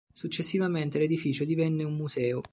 Successivamente l'edificio divenne un museo.